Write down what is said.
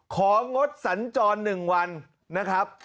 งดสัญจร๑วันนะครับ